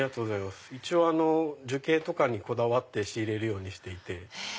一応樹形とかにこだわって仕入れるようにしていて。